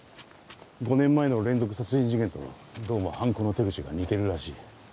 ５年前の連続殺人事件とどうも犯行の手口が似てるらしい。